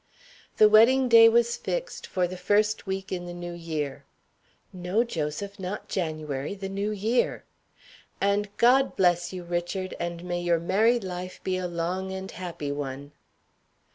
"The wedding day was fixed for the first week in the New Year." ("No, Joseph; not January the New Year.") "And God bless you, Richard! and may your married life be a long and happy one."